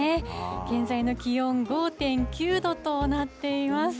現在の気温、５．９度となっています。